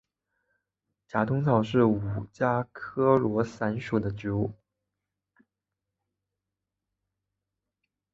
假通草是五加科罗伞属的植物。